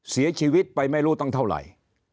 เสียชีวิตไปไม่รู้ตั้งเท่าไหร่